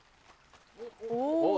お！